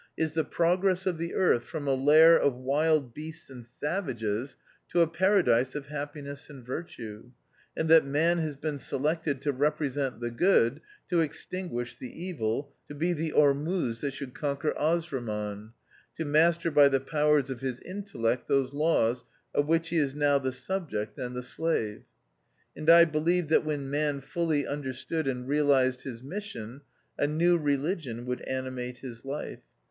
249 is the progress of the earth from a lair of wild beasts and savages to a paradise of happiness and virtue ; and that Man has been selected to represent the good, to ex tinguish the evil ; to be the Ormuzd that shall conquer Ahriman ; to master by the powers of his intellect those laws of which he is now the subject and the slave." And I believed that when Man fully understood and realised his mission, a new religion would animate his life.